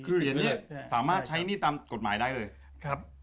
คือเหรียญนี้สามารถใช้หนี้ตามกฎหมายได้เลยครับ